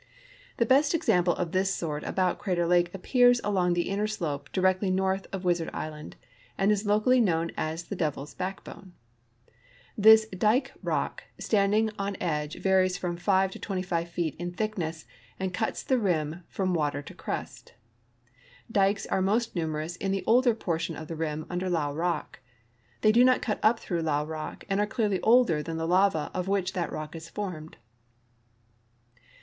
The best example of this sort about Crater lal^e appears along the inner slope directly north of Wizard island, and is locally known as the Devirs Backbone. This dike rock standing on edge varies from 5 to 25 feet in thick ness and cuts the rim from water to crest. Dikes are most numerous in the older portion of the rim under Llao rock. They do not cut up through Llao rock and are clearly older than the lava of which that rock is formed.